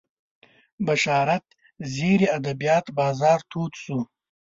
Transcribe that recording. بشارت زیري ادبیات بازار تود شو